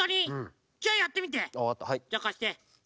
じゃあかして。